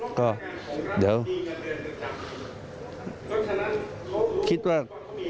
ก็เดี๋ยวคิดว่า